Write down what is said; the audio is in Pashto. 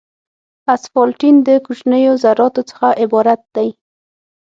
اسفالټین د کوچنیو ذراتو څخه عبارت دی